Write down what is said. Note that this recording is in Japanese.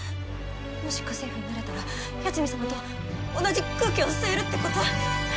もし家政婦になれたら八海サマと同じ空気を吸えるってこと！？